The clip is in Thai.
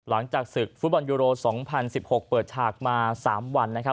หลังจากศึกฟุตบอลยูโร๒๐๑๖เปิดฉากมา๓วันนะครับ